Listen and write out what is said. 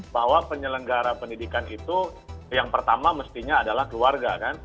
bahwa penyelenggara pendidikan itu yang pertama mestinya adalah keluarga kan